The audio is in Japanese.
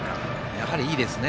やはりいいですね。